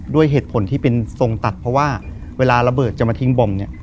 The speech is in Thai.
ด้วยเหตุผลที่เป็นทรงตัดเพราะว่าเวลาระเบิดจะมาทิ้งบอมเนี่ย